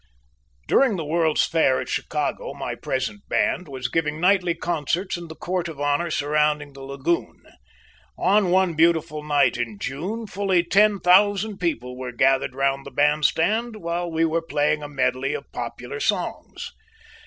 During the World's Fair at Chicago my present band was giving nightly concerts in the Court of Honor surrounding the lagoon. On one beautiful night in June fully ten thousand people were gathered round the bandstand while we were playing a medley of popular songs.